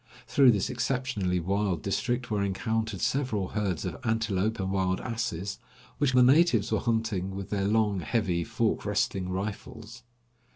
Through this exceptionally wild district were encountered several herds of antelope and wild asses, which the natives were hunting with their long, heavy, fork resting rifles.